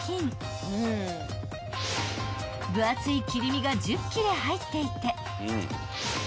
［分厚い切り身が１０切れ入っていて］